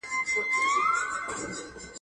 انا خپل لمونځ ته ادامه ورکوي.